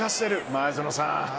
前園さん。